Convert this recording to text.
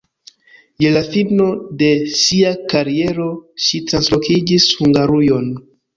Je la fino de sia kariero ŝi translokiĝis Hungarujon.